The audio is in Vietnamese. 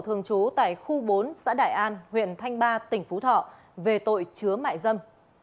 thường trú tại khu bốn xã đại an huyện thanh ba tỉnh phú thọ về tội chứa mại dâm